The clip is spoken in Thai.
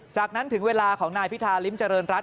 จากนั้นถึงเวลาของนายพิธาริมเจริญรัฐ